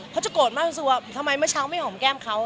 เขาจะโกรธมากรู้สึกว่าทำไมเมื่อเช้าไม่หอมแก้มเขา